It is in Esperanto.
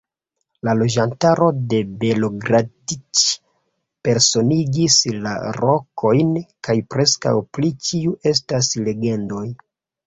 La loĝantaro de Belogradĉik personigis la rokojn, kaj preskaŭ pri ĉiu estas legendoj.